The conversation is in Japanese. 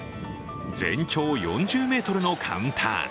全長４０ｍのカウンター。